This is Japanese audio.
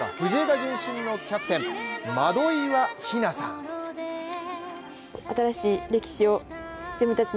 順心のキャプテン・窓岩日菜さんです。